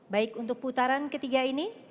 baik untuk putaran ketiga ini